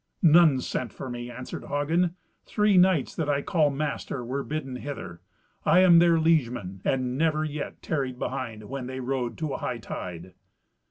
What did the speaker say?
"None sent for me," answered Hagen. "Three knights that I call master, were bidden hither. I am their liegeman, and never yet tarried behind when they rode to a hightide."